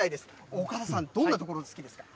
おかださん、どんなところ好きですか？